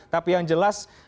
tapi yang jelas